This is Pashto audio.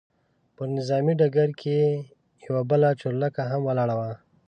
پر نظامي ډګر کې یوه بله چورلکه هم ولاړه وه.